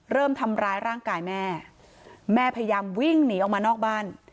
เริ่มทำร้ายร่างกายแม่แม่พยายามวิ่งหนีออกมานอกบ้าน